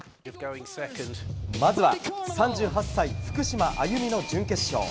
まずは３８歳、福島あゆみの準決勝。